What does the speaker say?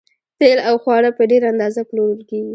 تیل او خواړه په ډیره اندازه پلورل کیږي